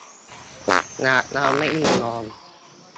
หากเราไม่ยินยอม